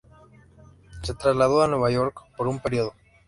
Se trasladó a Nueva York por un periodo.